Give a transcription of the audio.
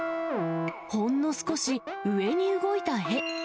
ほんの少し上に動いた絵。